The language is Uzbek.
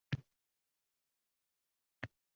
Miltiqlar olatasiri ham to’xtadi.